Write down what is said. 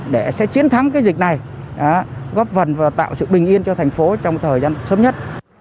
để sẽ chiến thắng cái dịch này góp phần và tạo sự bình yên cho thành phố trong thời gian sớm nhất